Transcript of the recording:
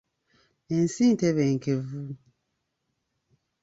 Ensi ntebenkevu.